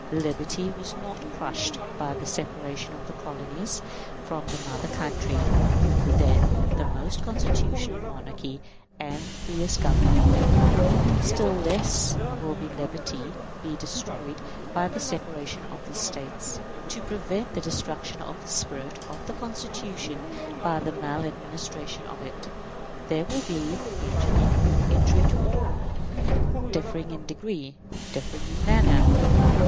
Liberty was not crushed by the separation of the colonies from the mother country, then the most constitutional monarchy and the freest Government known. Still less will liberty be destroyed by the separation of these States, to prevent the destruction of the spirit of the Constitution by the mal administration of it. There will be injury injury to all; differing in degree, differing in manner.